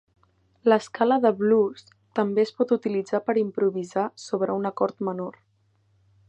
L'escala de blues també es pot utilitzar per improvisar sobre un acord menor.